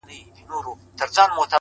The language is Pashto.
دا ارزښتمن شى په بټوه كي ساته ـ